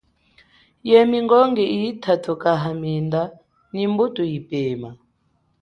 Ye mingongi iyi tatuka haminde ni mbuto yipema.